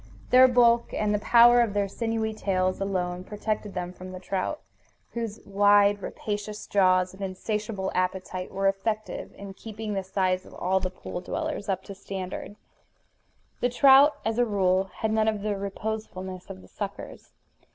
Their bulk, and the power of their sinewy tails, alone protected them from the trout, whose wide, rapacious jaws and insatiable appetite were effective in keeping the size of all the pool dwellers up to standard. The trout, as a rule, had none of the reposefulness of the suckers.